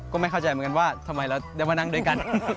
ก็ไม่เข้าใจเหมือนกันว่าทำไมเราได้มานั่งด้วยกัน